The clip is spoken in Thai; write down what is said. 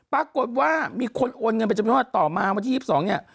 ปรากฏว่ามีคนโอนเงินเป็นจำนวนต่อมาวันที่๒๒เนี่ย